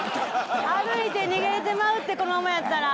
歩いて逃げれてまうってこのままやったら。